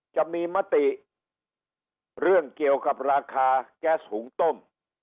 จะมีมติเรื่องเกี่ยวกับราคาแก๊สหุงต้ม